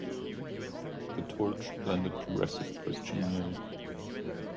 The Torch blended progressive Christian music.